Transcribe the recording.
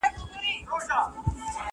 هم جوګي وو هم دروېش هم قلندر وو،